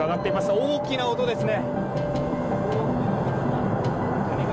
大きな音ですね。